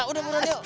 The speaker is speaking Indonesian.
udah mudah yuk